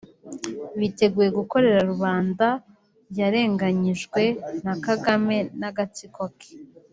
biteguye gukorera rubanda yarenganyijwe na Kagame n’agatsiko ke